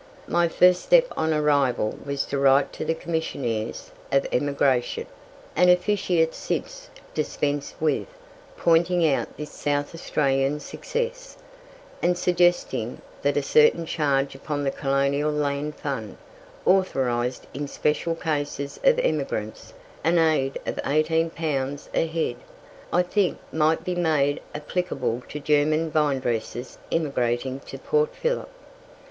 My first step on arrival was to write to the "Commissioners of Emigration," an officiate since dispensed with, pointing out this South Australian success, and suggesting that a certain charge upon the Colonial Land Fund, authorized in special cases of emigrants an aid of 18 pounds a head, I think might be made applicable to German vinedressers emigrating to Port Phillip.